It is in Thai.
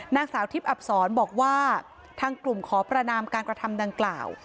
นางสาวทิพย์อับศรบอกว่าทางกลุ่มขอประนามการกระทำดังกล่าว